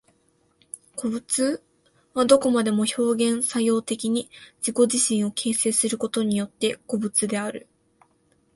個物はどこまでも表現作用的に自己自身を形成することによって個物である。